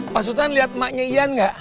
pak sutan liat ma nya ian gak